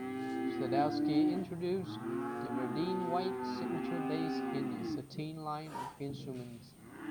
Sadowsky introduced the Verdine White signature bass in the Satin line of instruments.